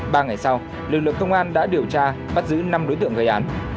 ba ngày sau lực lượng công an đã điều tra bắt giữ năm đối tượng gây án